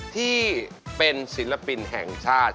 ที่เป็นศิลปินแห่งชาติ